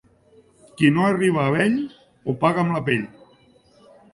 Qui no arriba a vell ho paga amb la pell.